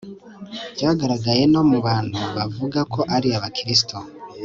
byagaragaye no mu bantu bavuga ko ari abakristo